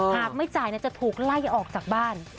หากไม่จ่ายจะถูกไล่ออกจากบ้าน